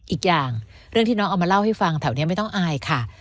อีกอย่างเรื่องที่น้องเอามาเล่าให้ฟังแถวนี้ไม่ต้องอายค่ะ